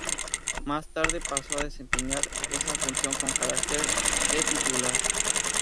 Más tarde pasó a desempeñar esa función con carácter de titular.